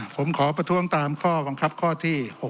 ผมขอประท้วงตามข้อบังคับข้อที่๖๖